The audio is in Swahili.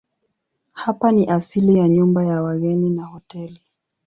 Hapa ni asili ya nyumba ya wageni na hoteli.